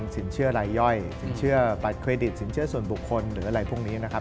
สินเชื่อรายย่อยสินเชื่อบัตรเครดิตสินเชื่อส่วนบุคคลหรืออะไรพวกนี้นะครับ